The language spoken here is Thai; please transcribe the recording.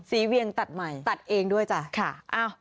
เวียงตัดใหม่ตัดเองด้วยจ้ะค่ะ